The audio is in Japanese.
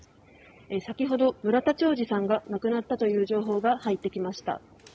先ほど村田兆治さんが亡くなったという情報が入ってきました。